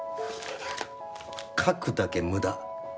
書くだけ無駄。